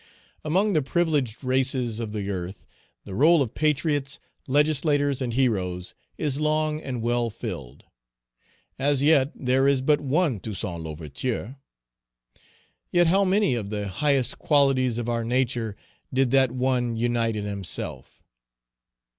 Among the privileged races of the earth, the roll of patriots, legislators, and heroes is long and well filled. As yet there is but one Toussaint L'Ouverture. Yet how many of the highest qualities of our nature did that one unite in himself.